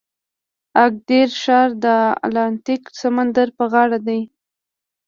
اګادیر ښار د اتلانتیک سمندر په غاړه دی.